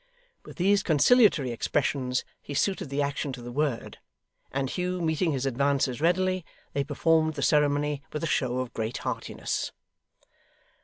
With these conciliatory expressions he suited the action to the word; and Hugh meeting his advances readily, they performed the ceremony with a show of great heartiness.